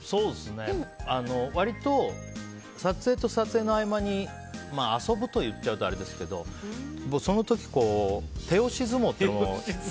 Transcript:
割と撮影と撮影の合間に遊ぶと言っちゃうとあれですけどその時、手押し相撲を。